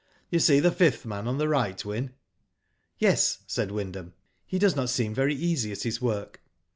You see the fifth man on the right, Wyn?" *'Yes," said Wyndham, "he does not seem very easy at his work.'